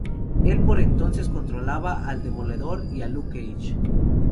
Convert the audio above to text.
Él por entonces controlaba a Demoledor y a Luke Cage.